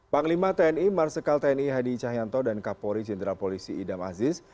panglima tni marsikal tni hadi cahyanto dan kapolri jenderal polisi idam aziz